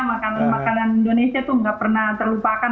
makanan makanan indonesia tuh nggak pernah terlupakan